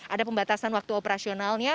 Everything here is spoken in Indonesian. ada pembatasan waktu operasionalnya